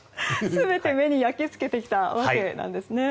全て目に焼き付けたわけなんですね。